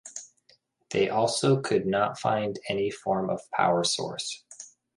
They also could not find any form of power source.